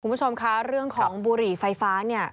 คุณผู้ชมคะเรื่องของบุหรี่ไฟฟ้าเนี่ย